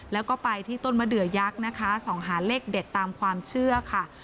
แล้วก็ไปที่ต้นมะเดือยักษ์นะคะส่องหาเลขเด็ดตามความเชื่อค่ะ